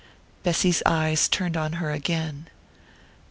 Bessy's eyes turned on her again.